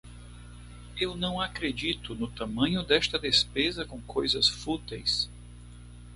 Eu não acredito no tamanho desta despesa com coisas fúteis!